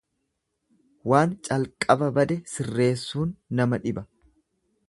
Waan calqaba bade sirreessuun nama dhiba.